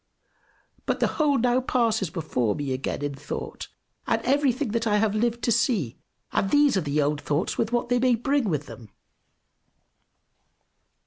But the whole now passes before me again in thought, and everything that I have lived to see; and these are the old thoughts, with what they may bring with them.